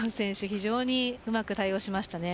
非常にうまく対応しました。